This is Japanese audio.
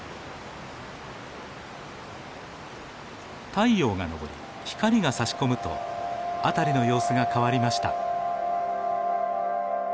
太陽が昇り光がさし込むと辺りの様子が変わりました。